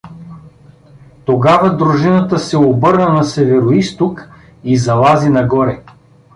Тогава дружината се обърна на североизток и залази нагоре.